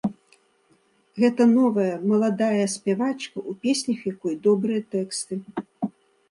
Гэта новая, маладая спявачка, у песнях якой добрыя тэксты.